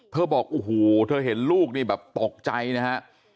เธอบอกอูหูเธอเห็นลูกนี่แบบปกใจนะฮะ